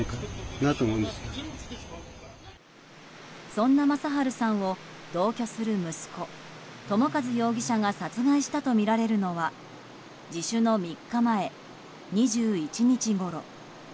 そんな正春さんを同居する息子・友和容疑者が殺害したとみられるのは自首の３日前、２１日ごろ。